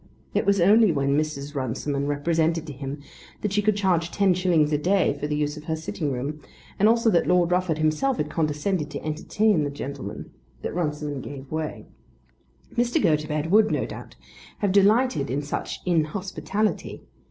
It was only when Mrs. Runciman represented to him that she could charge ten shillings a day for the use of her sitting room, and also that Lord Rufford himself had condescended to entertain the gentleman, that Runciman gave way. Mr. Gotobed would, no doubt, have delighted in such inhospitality.